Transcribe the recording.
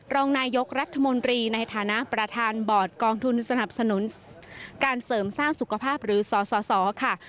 รองนายกรัฐมนตรีในฐานะประธานบอร์ดกองทุนสนับสนุนการเสริมสร้างสุขภาพหรือสสค่ะ